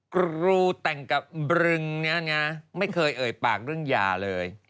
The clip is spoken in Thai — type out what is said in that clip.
ครูแต่งกับบรึงเนี่ยนะไม่เคยเอ่ยปากเรื่องหย่าเลย